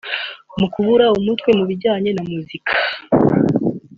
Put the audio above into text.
mu kubura umutwe mu bijyanye na muzika